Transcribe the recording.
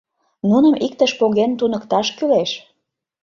Нуным, иктыш поген, туныкташ кӱлеш.